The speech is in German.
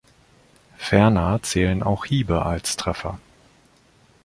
Ferner zählen auch Hiebe als Treffer.